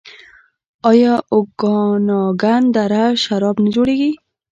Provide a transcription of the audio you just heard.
آیا اوکاناګن دره شراب نه جوړوي؟